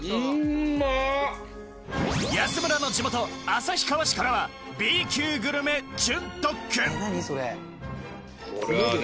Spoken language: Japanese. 安村の地元旭川市からはＢ級グルメこれはね